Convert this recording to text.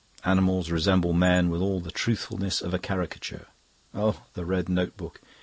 Animals resemble men with all the truthfulness of a caricature. (Oh, the red notebook!)